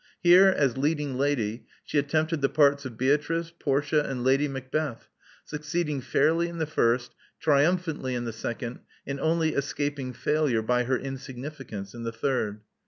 Here, as leading lady, she attemp ted the parts of Beatrice, Portia, and Lady Macbeth, succeeding fairly in the first, triumphantly in the second and only escaping failure by her insignificance in the third.